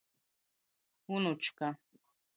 Unučka.